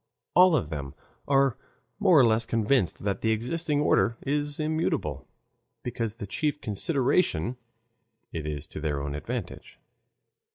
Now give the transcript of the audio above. All of them are more or less convinced that the existing order is immutable, because the chief consideration it is to their advantage.